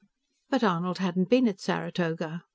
But Arnold hadn't been at Saratoga.